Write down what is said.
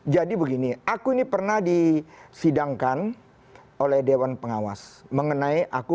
jadi begini aku ini pernah disidangkan oleh dewan pengawas mengenai aku